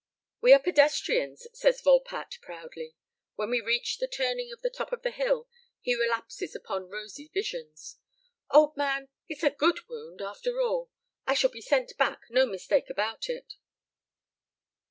"We are pedestrians!" says Volpatte proudly. When we reach the turning at the top of the hill, he relapses upon rosy visions: "Old man, it's a good wound, after all. I shall be sent back, no mistake about it."